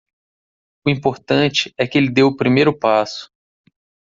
O importante é que ele deu o primeiro passo